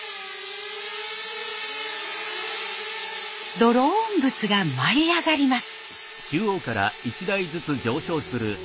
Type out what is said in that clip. ドローン仏が舞い上がります。